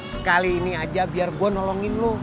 sekali ini aja biar gue nolongin lu